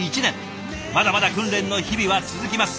まだまだ訓練の日々は続きます。